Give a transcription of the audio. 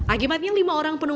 akibatnya lima orang penuh